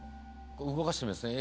動かしてみますね